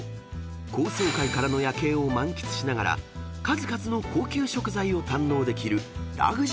［高層階からの夜景を満喫しながら数々の高級食材を堪能できる］